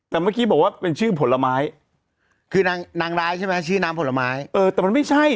แต่เมื่อกี้บอกว่าเป็นชื่อผลไม้คือนางนางร้ายใช่ไหมชื่อน้ำผลไม้เออแต่มันไม่ใช่